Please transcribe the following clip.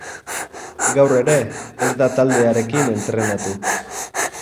Gaur ere ez da taldearekin entrenatu.